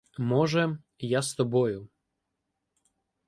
— Може, я з тобою.